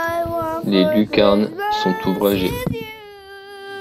Les lucarnes sont ouvragées.